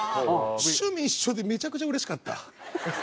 趣味一緒でめちゃくちゃうれしかった。